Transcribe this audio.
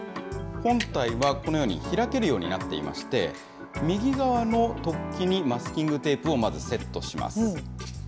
本体はこのように開けるようになっていまして、右側の突起にマスキングテープをまずセットします。